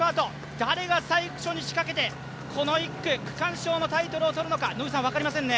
誰が最初に仕掛けて、１区の区間賞のタイトルを取るのか分かりませんね。